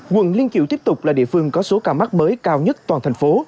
quận liên kiểu tiếp tục là địa phương có số ca mắc mới cao nhất toàn thành phố